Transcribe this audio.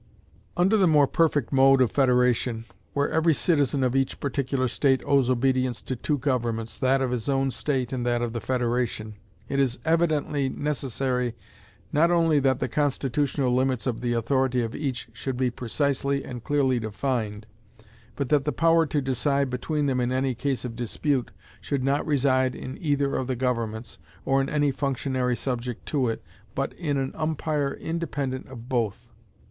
Under the more perfect mode of federation, where every citizen of each particular state owes obedience to two governments, that of his own state and that of the federation, it is evidently necessary not only that the constitutional limits of the authority of each should be precisely and clearly defined, but that the power to decide between them in any case of dispute should not reside in either of the governments, or in any functionary subject to it, but in an umpire independent of both.